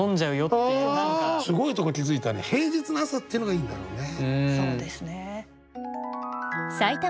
すごいとこ気付いたね平日の朝っていうのがいいんだろうね。